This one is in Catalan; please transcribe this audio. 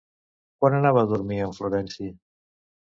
Quan anava a dormir en Florenci?